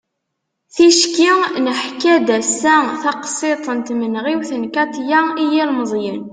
ticki neḥka-d ass-a taqsiḍt n tmenɣiwt n katia i yilmeẓyen